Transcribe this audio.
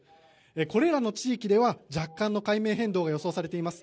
これらの地域では若干の海面変動が予想されています。